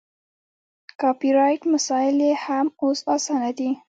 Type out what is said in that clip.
کاپي رایټ مسایل یې هم اوس اسانه دي.